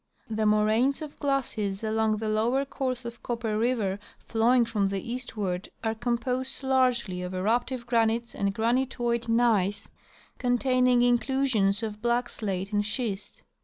The moraines of glaciers along the lower course of Copper river flowing from the eastward are com posed largely of eruptive granites and granitoid gneiss contain ing inclusions of black slate and schist.